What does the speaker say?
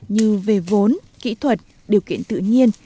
như về vốn kỹ thuật điều kiện tự nhiên